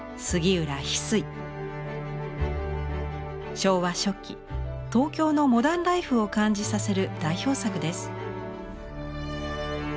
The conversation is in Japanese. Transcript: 昭和初期東京のモダンライフを感じさせる代表作です。